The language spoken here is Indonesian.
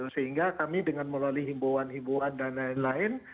sehingga kami dengan melalui himbauan himbauan dan lain lain